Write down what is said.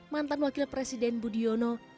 mantan wakil presiden budi yono